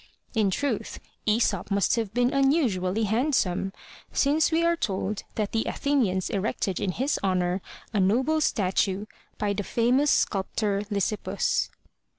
In truth, Aesop must have been unusually hand some, since we are told that the Athenians erected in his honor a noble statue, by the famous sculptor, Lysippus.